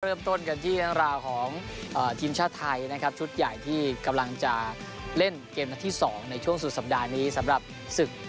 เริ่มต้นกันที่เรื่องราวของทีมชาติไทยนะครับชุดใหญ่ที่กำลังจะเล่นเกมนัดที่๒ในช่วงสุดสัปดาห์นี้สำหรับศึก